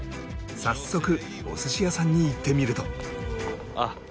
早速お寿司屋さんに行ってみると。